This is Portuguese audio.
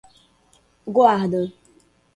guarda